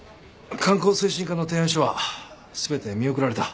観光推進課の提案書は全て見送られた。